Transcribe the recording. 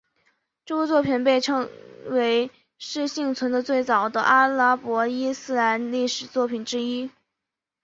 这部作品被认为是幸存的最早的阿拉伯伊斯兰历史作品之一。